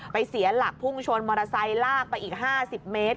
เสียหลักพุ่งชนมอเตอร์ไซค์ลากไปอีก๕๐เมตร